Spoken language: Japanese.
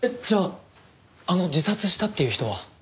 じゃああの自殺したっていう人は。